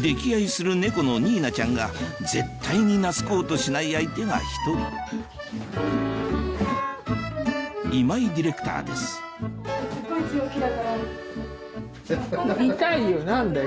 溺愛する猫のニーナちゃんが絶対に懐こうとしない相手が１人今井ディレクターです痛いよ何だよ。